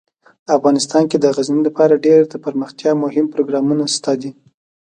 افغانستان کې د غزني لپاره ډیر دپرمختیا مهم پروګرامونه شته دي.